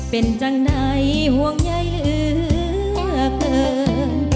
เป็นจังไหนห่วงใยเหลือเกิน